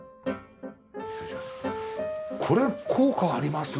これ効果ありますね。